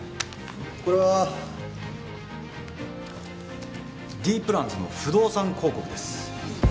これはＤプランズの不動産広告です